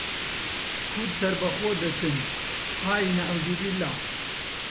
کورد سەربەخۆ دەچن ئای نەعوزیبیللا!